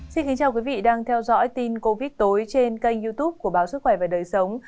xin kính chào quý vị đang theo dõi tin covid tối trên kênh youtube của báo sức khỏe và đời sống